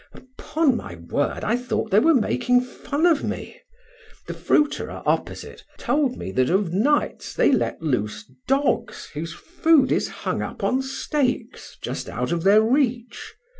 Upon my word, I thought they were making fun of me! The fruiterer opposite told me that of nights they let loose dogs whose food is hung up on stakes just out of their reach.